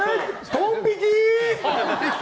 ドン引き！